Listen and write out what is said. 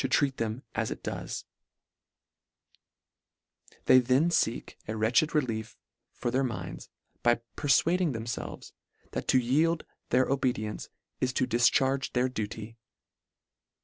123 They then leek a wretched relief for their minds, by perfuading themfelves, that to yield their obedience is to difcharge their duty.